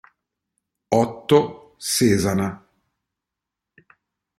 Otto Sesana